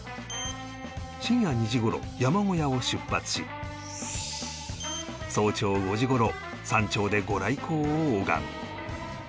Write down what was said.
深夜２時頃山小屋を出発し早朝５時頃山頂で御来光を拝む